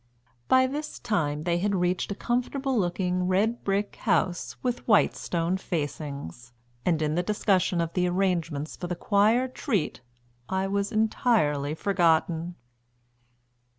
By this time they had reached a comfortable looking, red brick house with white stone facings, and in the discussion of the arrangements for the choir treat I was entirely forgotten.